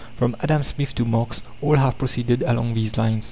From Adam Smith to Marx, all have proceeded along these lines.